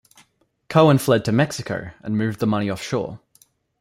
Cohen fled to Mexico and moved the money offshore.